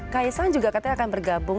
kaisang juga katanya akan bergabung